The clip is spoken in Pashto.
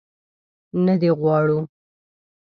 نه دې غواړو.